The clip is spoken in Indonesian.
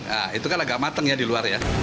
nah itu kan agak matang ya di luar ya